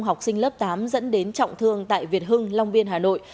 học sinh lớp tám dẫn đến trọng thương tại việt hưng long biên hà nội